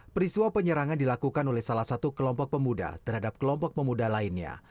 peristiwa penyerangan dilakukan oleh salah satu kelompok pemuda terhadap kelompok pemuda lainnya